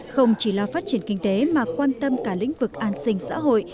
không chỉ lo phát triển kinh tế mà quan tâm cả lĩnh vực an sinh xã hội